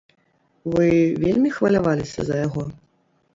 Вы вельмі хваляваліся за яго?